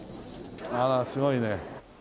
あらすごいね。